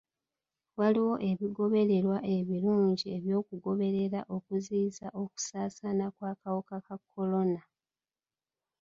Waliwo ebigobererwa ebirungi eby'okugoberera okuziyiza okusaasaana kw'akawuka ka kolona.